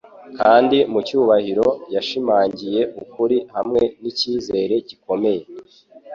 kandi mu cyubahiro, yashimangiye ukuri hamwe n’icyizere gikomeye